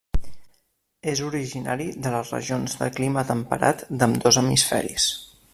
És originari de les regions de clima temperat d'ambdós hemisferis.